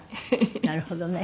なるほどね。